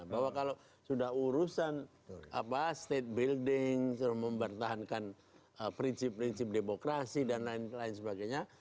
bahwa kalau sudah urusan state building mempertahankan prinsip prinsip demokrasi dan lain lain sebagainya